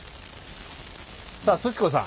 さあすち子さん。